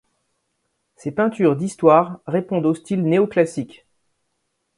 Ses peintures d’histoire répondent au style néoclassique.